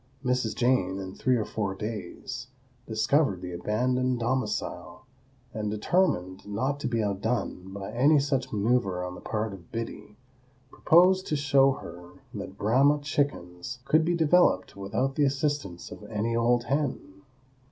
Mrs. Jane, in three or four days, discovered the abandoned domicile, and, determined not to be outdone by any such maneuver on the part of Biddy, proposed to show her that Brahma chickens could be developed without the assistance of any old hen.